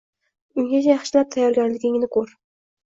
Ungacha yaxshilab tayyorgarligingni ko‘r